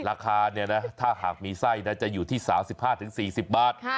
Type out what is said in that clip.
ราคาเนี่ยนะถ้าหากมีไส้จะอยู่ที่๓๕๔๐บาท